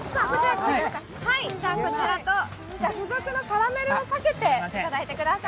こちらと、付属のカラメルをかけていただいてください。